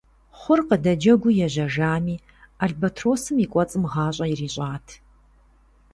Хъур къыдэджэгуу ежьэжами, албатросым и кӀуэцӀым гъащӀэ ирищӀат.